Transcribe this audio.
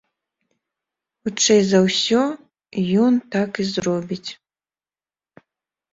Хутчэй за ўсё, ён так і зробіць.